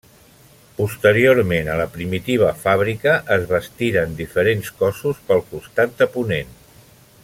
Posteriorment a la primitiva fàbrica es bastiren diferents cossos pel costat de ponent.